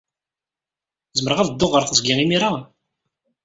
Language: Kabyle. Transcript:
Zemreɣ ad dduɣ ɣer teẓgi imir-a?